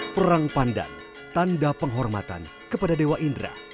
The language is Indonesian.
perang pandan tanda penghormatan kepada dewa indra